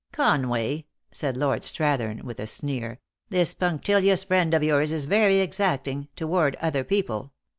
" Conway," said Lord Strathern, with a sneer, " this punctilious friend of yours is very exacting toward other people.